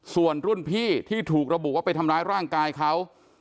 ส่วนรุ่นพี่ที่ถูกระบุว่าไปทำร้ายร่างกายเขา